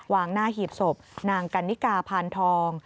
วางหน้าหีบศพนางกันนิกาพานทอง